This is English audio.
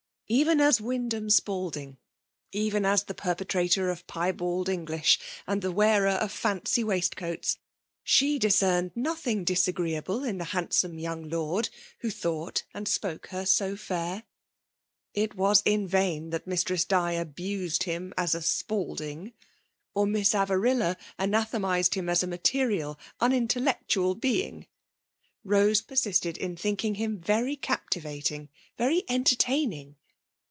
Even as Wjnd ham. Spalding, — even as the perpetrator of pyebald English, and the wearer of fancy v^aistcoats^ she discerned nothing disagreeable in the handsome young Lord, who thought and spoke her so fair. It was in vain that Mistress Di abused him as a Spalding, or Miss Avarilla anathematized him as a material, unintellectual being ; Bose; persisted in think ing him very captivating, very entertaining.